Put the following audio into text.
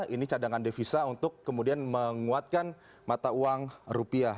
ini cadangan devisa untuk kemudian menguatkan mata uang rupiah